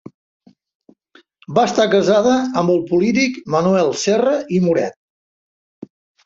Va estar casada amb el polític Manuel Serra i Moret.